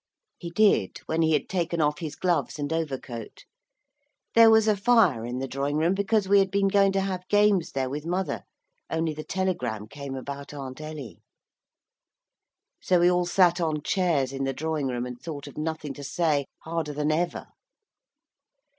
He did when he had taken off his gloves and overcoat. There was a fire in the drawing room, because we had been going to have games there with mother, only the telegram came about Aunt Ellie. So we all sat on chairs in the drawing room, and thought of nothing to say harder than ever.